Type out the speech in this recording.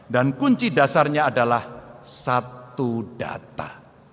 dan kunci dasarnya adalah satu data